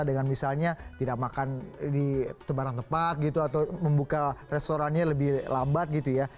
dengan misalnya tidak makan di barang tempat gitu atau membuka restorannya lebih lambat gitu ya